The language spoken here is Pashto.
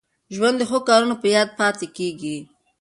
ژوند د ښو کارونو په یاد پاته کېږي.